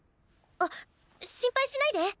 あっ心配しないで。